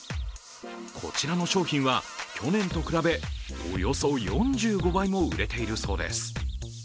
こちらの商品は、去年と比べおよそ４５倍も売れているそうです。